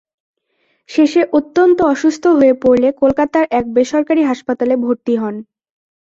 শেষে অত্যন্ত অসুস্থ হলে পড়লে কলকাতার এক বেসরকারি হাসপাতালে ভর্তি হন।